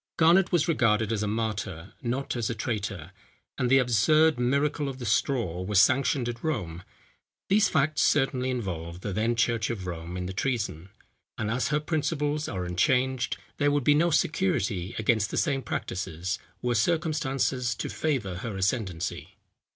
Garnet was regarded as a martyr, not as a traitor; and the absurd miracle of the Straw, was sanctioned at Rome. These facts certainly involve the then church of Rome in the treason; and as her principles are unchanged, there would be no security against the same practices, were circumstances to favour her ascendency.